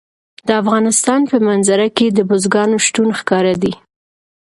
د افغانستان په منظره کې د بزګانو شتون ښکاره دی.